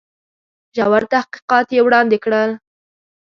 ژور تحقیقات یې وړاندي کړل.